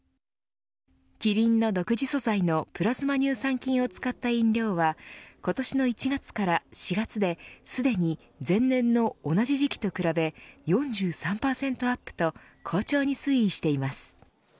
キリンの独自素材のプラズマ乳酸菌を使った飲料は今年の１月から４月ですでに前年の同じ時期と比べ４３％アップと好調に推移しています。